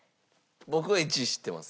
僕は１位知ってます。